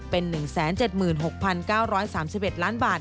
เป็น๑๗๖๙๓๑ล้านบาท